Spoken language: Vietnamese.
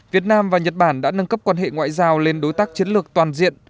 việt nam và nhật bản đã nâng cấp quan hệ ngoại giao lên đối tác chiến lược toàn diện